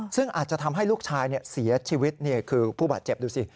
ซึ่งอาจจะทำให้ลูกชายเสียชีวิตคือผู้บาดเจ็บดูสิ